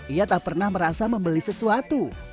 ia tak pernah merasa membeli sesuatu